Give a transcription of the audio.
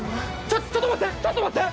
ちょっと待って！